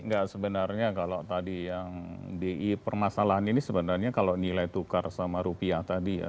enggak sebenarnya kalau tadi yang di permasalahan ini sebenarnya kalau nilai tukar sama rupiah tadi ya